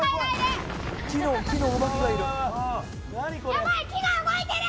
やばい木が動いてる！